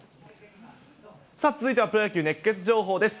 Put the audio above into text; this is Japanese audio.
続いてはプロ野球熱ケツ情報です。